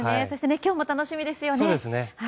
そして今日も楽しみですよね。